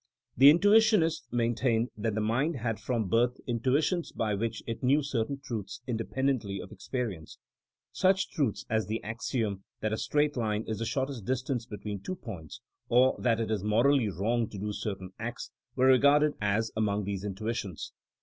The intuitionists maintained that the mind had from birth intuitions by which it knew certain truths independently of experience. Such truths as the axiom that a straighjt line is the shortest dis tance between two points, or that it is morally wrong to do certain acts, were regarded as among these intuitions.